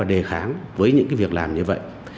đề kháng với những việc làm như vậy